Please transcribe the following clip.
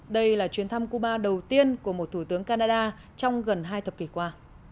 đây là chuyến thăm cuba đầu tiên của một thủ tướng canada trong gần hai thập kỷ qua